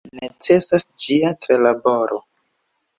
Necesas ĝia tralaboro.